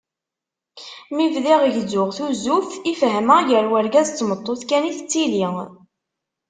Mi bdiɣ gezzuɣ tuzzuft i fehmeɣ gar urgaz d tmeṭṭut kan i tettili.